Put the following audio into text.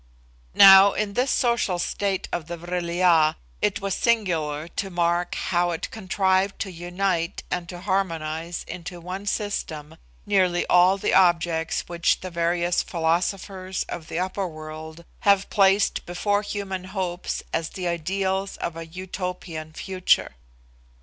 Now, in this social state of the Vril ya, it was singular to mark how it contrived to unite and to harmonise into one system nearly all the objects which the various philosophers of the upper world have placed before human hopes as the ideals of a Utopian future.